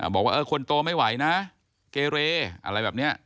บอกว่าคนโตไม่ไหวนะเกเรอะไรแบบนี้